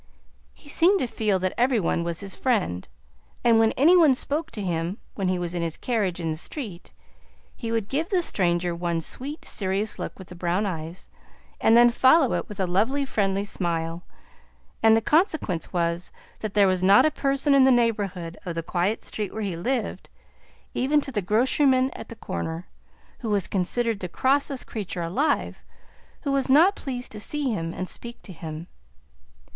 He seemed to feel that every one was his friend, and when any one spoke to him, when he was in his carriage in the street, he would give the stranger one sweet, serious look with the brown eyes, and then follow it with a lovely, friendly smile; and the consequence was, that there was not a person in the neighborhood of the quiet street where he lived even to the groceryman at the corner, who was considered the crossest creature alive who was not pleased to see him and speak to him.